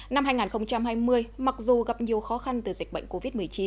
năm hai nghìn hai mươi mặc dù gặp nhiều khó khăn từ dịch bệnh covid một mươi chín